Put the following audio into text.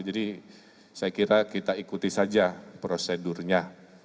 jadi saya kira kita ikuti saja prosedurnya